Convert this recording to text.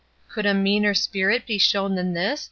Could a meaner spirit be shown than this?